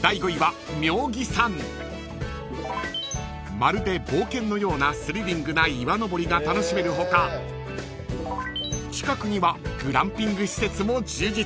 ［まるで冒険のようなスリリングな岩登りが楽しめる他近くにはグランピング施設も充実］